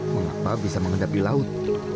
mengapa bisa menghadapi laut